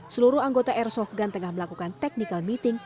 seluruh anggota airsoft gun tengah melakukan technical meeting